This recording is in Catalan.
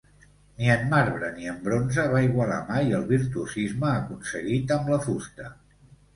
Ni en marbre ni en bronze va igualar mai el virtuosisme aconseguit amb la fusta.